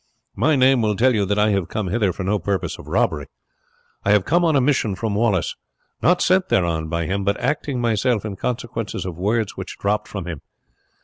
My name will tell you that I have come hither for no purpose of robbery. I have come on a mission from Wallace not sent thereon by him, but acting myself in consequences of words which dropped from him.